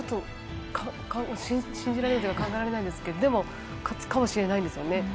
信じられないというか考えられないですけど勝つかもしれないんですよね。